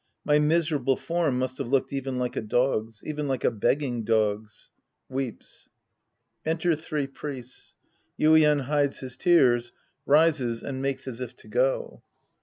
My miserable form must have looked even like a dog's. Even like a begging dog's. {IVeeps.) (Enter three Priests. Yuien hides his tears, rises and makes as if to go.)